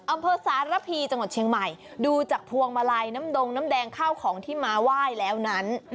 อำเภอสารพีจังหวัดเชียงใหม่ดูจากพวงมาลัยน้ำดงน้ำแดงข้าวของที่มาไหว้แล้วนั้น